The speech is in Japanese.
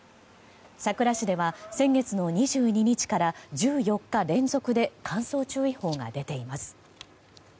佐倉市では先月の２２日から１４日連続で乾燥注意報が出ています。